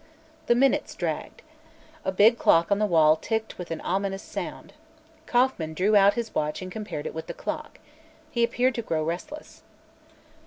The minutes dragged. A big clock on the wall ticked with an ominous sound. Kauffman drew out his watch and compared it with the clock. He appeared to grow restless.